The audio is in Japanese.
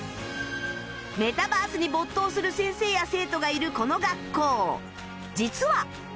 メタバースに没頭する先生や生徒がいるこの学校実は